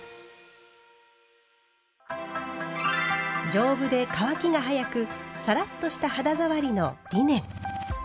丈夫で乾きが早くサラッとした肌触りのリネン。